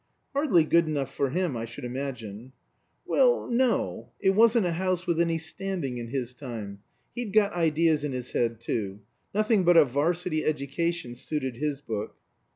"Hardly good enough for him, I should imagine." "Well no. It wasn't a house with any standing in his time. He'd got ideas in his head, too. Nothing but a 'Varsity education suited his book."